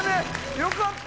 よかった！